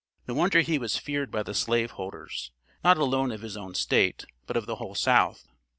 No wonder he was feared by the slave holders, not alone of his own State, but of the whole South.